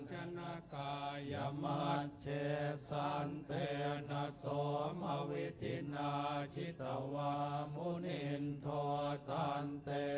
จนกายมัธเชสันเตนสมวิทินาจิตวมุนินโทตันเต